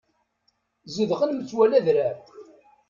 Zedɣen metwal adrar.